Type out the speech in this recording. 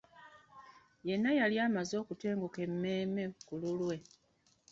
Yenna yali amaze okutenguka emmeeme ku lulwe.